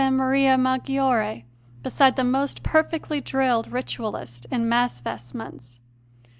Maria Maggiore beside the most perfectly drilled Ritualist in Mass vestments!